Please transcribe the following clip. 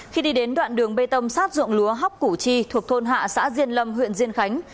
khi đi đến đoạn đường bê tông sát ruộng lúa hóc củ chi thuộc thôn hạ xã diên lâm huyện diên khánh